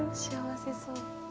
幸せそう。